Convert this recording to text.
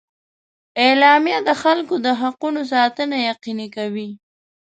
اعلامیه د خلکو د حقونو ساتنه یقیني کوي.